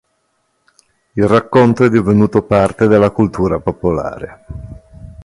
Il racconto è divenuto parte della cultura popolare.